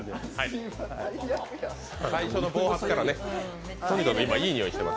最初の暴発からねとにかく、今いい匂いしてます。